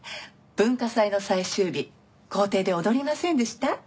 文化祭の最終日校庭で踊りませんでした？